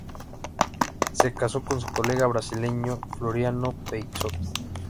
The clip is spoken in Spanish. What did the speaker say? Se casó con su colega brasileño Floriano Peixoto.